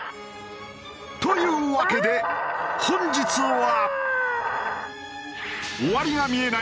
というわけで本日は。